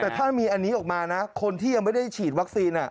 แต่ถ้ามีอันนี้ออกมานะคนที่ยังไม่ได้ฉีดวัคซีน